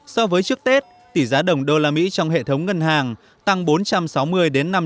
so với trước tết tỷ giá đồng đô la mỹ trong hệ thống ngân hàng tăng bốn trăm sáu mươi đến năm mươi